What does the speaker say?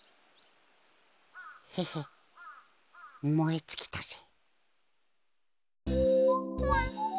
ヘヘもえつきたぜ。